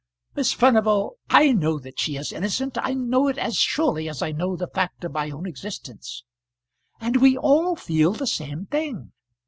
Miss Furnival, I know that she is innocent. I know it as surely as I know the fact of my own existence " "And we all feel the same thing."